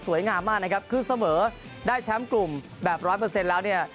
สวยงามมากนะครับคือเสมอได้แชมป์กลุ่มแบบ๑๐๐แล้วเนี่ย